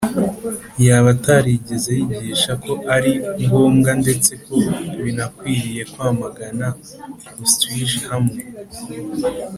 yaba atarigeze yigisha ko ari ngombwa ndetse ko binakwiriye kwamagana Auschwitz hamwe